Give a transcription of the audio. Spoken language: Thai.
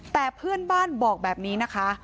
แต่เพื่อนบ้านบอกแบบนี้นะคะ